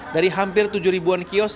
dari hampir tujuh ribuan kios